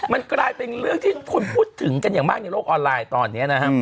มันกลายเป็นเรื่องที่คนพูดถึงกันอย่างมากในโลกออนไลน์ตอนนี้นะครับ